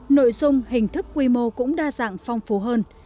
nội dung hình thức quy mô cũng đa dạng phong phú hơn